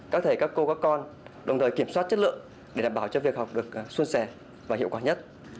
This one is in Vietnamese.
các thầy các cô các con đồng thời kiểm soát chất lượng để đảm bảo cho việc học được xuân sẻ và hiệu quả nhất